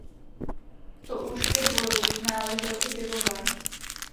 To už ke dvoru náležel i pivovar.